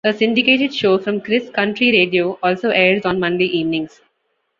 A syndicated show from Chris Country Radio also airs on Monday evenings.